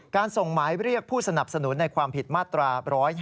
ส่งหมายเรียกผู้สนับสนุนในความผิดมาตรา๑๒๒